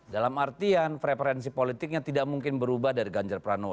dalam artian preferensi politiknya tidak mungkin berubah dari ganjar pranowo